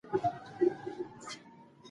د معدې سرطان د ورزش له امله کمېږي.